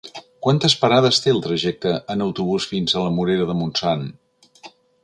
Quantes parades té el trajecte en autobús fins a la Morera de Montsant?